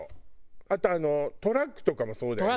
あとトラックとかもそうだよね。